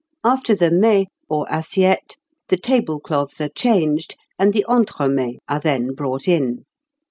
After the mets or assiettes the table cloths are changed, and the entremets are then brought in.